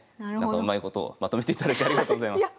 うまいことまとめていただいてありがとうございます。